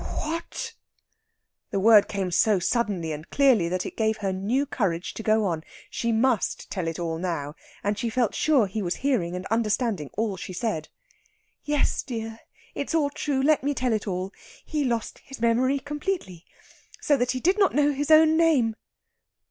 "What!" The word came so suddenly and clearly that it gave her new courage to go on. She must tell it all now, and she felt sure he was hearing and understanding all she said. "Yes, dear; it's all true. Let me tell it all. He lost his memory completely, so that he did not know his own name...."